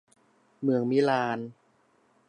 เมืองมิลาน